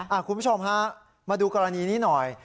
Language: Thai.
คุณผู้ชมฮะมาดูกรณีนี้หน่อย